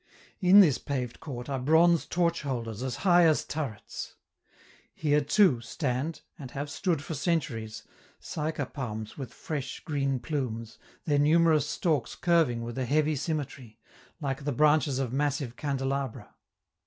In this paved court are bronze torch holders as high as turrets. Here, too, stand, and have stood for centuries, cyca palms with fresh, green plumes, their numerous stalks curving with a heavy symmetry, like the branches of massive candelabra.